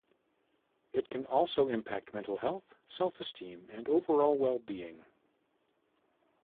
It can also impact mental health, self-esteem, and overall well-being.